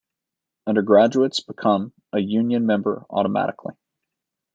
Undergraduates become a Union member automatically.